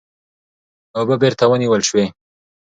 اوبه بېرته ونیول سوې.